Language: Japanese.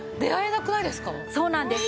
そうなんです。